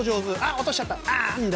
落としちゃった！